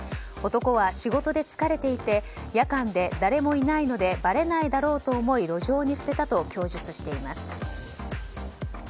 男は仕事で疲れていて夜間で誰もいないのでばれないだろうと思い路上に捨てたと供述しています。